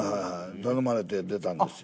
頼まれて出たんですよ。